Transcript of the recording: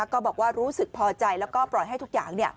ก็บอกว่ารู้สึกพอใจแล้วก็ปล่อยให้ทุกอย่าง